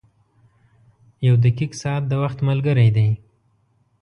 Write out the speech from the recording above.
• یو دقیق ساعت د وخت ملګری دی.